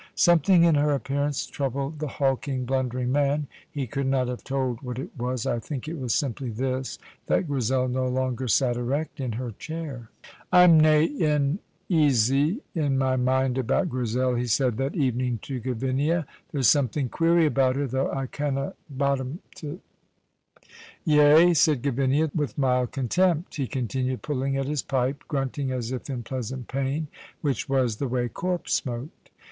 Something in her appearance troubled the hulking, blundering man. He could not have told what it was. I think it was simply this that Grizel no longer sat erect in her chair. "I'm nain easy in my mind about Grizel," he said that evening to Gavinia. "There's something queery about her, though I canna bottom 't." "Yea?" said Gavinia, with mild contempt. He continued pulling at his pipe, grunting as if in pleasant pain, which was the way Corp smoked.